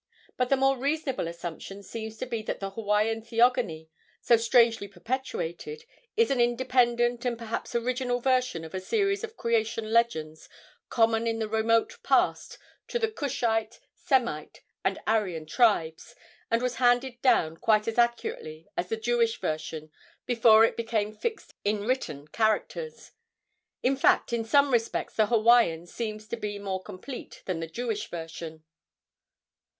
But the more reasonable assumption seems to be that the Hawaiian theogony, so strangely perpetuated, is an independent and perhaps original version of a series of creation legends common in the remote past to the Cushite, Semite and Aryan tribes, and was handed down quite as accurately as the Jewish version before it became fixed in written characters. In fact, in some respects the Hawaiian seems to be more complete than the Jewish version.